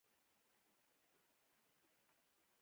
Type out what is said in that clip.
د رسنیو د محتوا ارزونه اړینه ده.